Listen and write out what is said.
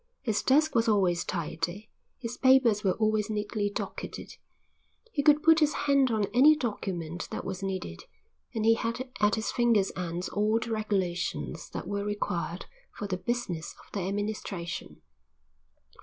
His desk was always tidy, his papers were always neatly docketed, he could put his hand on any document that was needed, and he had at his fingers' ends all the regulations that were required for the business of their administration.